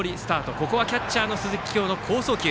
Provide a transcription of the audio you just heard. ここはキャッチャーの鈴木叶の好送球。